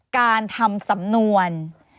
การทำสำนวน